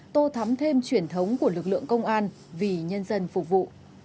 tô thắm thêm truyền thống của lực lượng công an vì nhân dân phục vụ